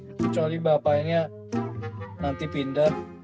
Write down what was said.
kecuali bapaknya nanti pindah